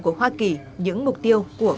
của hoa kỳ những mục tiêu của